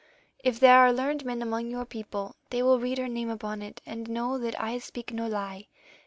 If there are learned men among your people they will read her name upon it and know that I speak no lie.